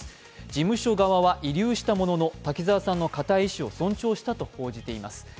事務所側は慰留したものの、滝沢さんの堅い意思を尊重したと報じています。